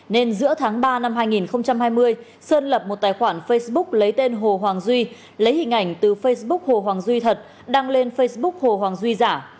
nên giữa tháng ba năm hai nghìn hai mươi sơn lập một tài khoản facebook lấy tên hồ hoàng duy lấy hình ảnh từ facebook hồ hoàng duy thật đăng lên facebook hồ hoàng duy giả